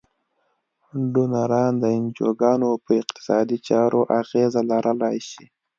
ډونران د انجوګانو په اقتصادي چارو اغیز لرلای شي.